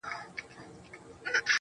د نيمي شپې د خاموشۍ د فضا واړه ستـوري.